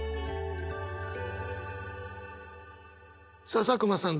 さあ佐久間さん